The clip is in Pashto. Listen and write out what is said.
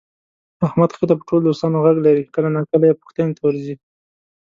احمد ښه دی په ټول دوستانو غږ لري، کله ناکله یې پوښتنې ته ورځي.